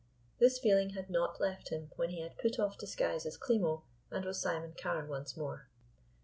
This feeling had not left him when he had put off disguise as Klimo and was Simon Carne once more.